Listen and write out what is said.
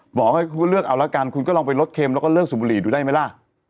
หมอให้คุณก็เลือกเอาละกันคุณก็ลองไปลดเค็มแล้วก็เลิกสูบบุหรี่ดูได้ไหมล่ะ